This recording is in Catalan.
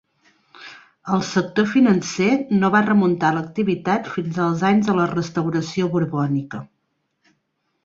El sector financer no va remuntar l'activitat fins als anys de la restauració borbònica.